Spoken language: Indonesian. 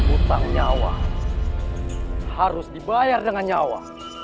utang nyawa harus dibayar dengan nyawa